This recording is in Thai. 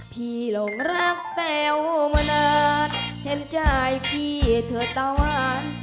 หลงรักแต๋วมานานเห็นใจพี่เธอตาหวาน